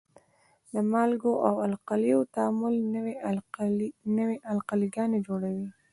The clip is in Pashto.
د مالګو او القلیو تعامل نوې القلي ګانې جوړوي.